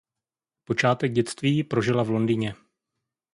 Počátek dětství prožila v Londýně.